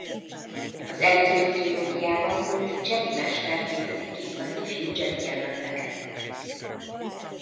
Az előzmény trilógiában mint Jedi mester képezi ki az ifjú Jedi-jelölteket.